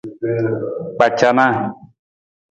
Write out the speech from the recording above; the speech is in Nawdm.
Kpacanaa.